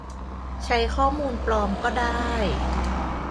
ใช้ข้อมูลปลอมก็ได้